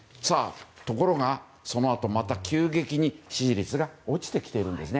ところがそのあと、また急激に支持率が落ちてきているんです。